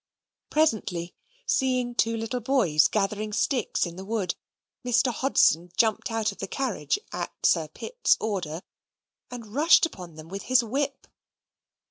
Presently, seeing two little boys gathering sticks in the wood, Mr. Hodson jumped out of the carriage, at Sir Pitt's order, and rushed upon them with his whip.